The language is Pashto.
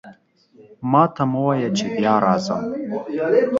ماته مه وایه چې بیا راځم.